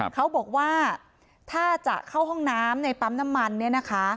เขาบอกว่าถ้าจะเข้าห้องน้ำในปั๊มน้ำมันเนี่ยนะคะ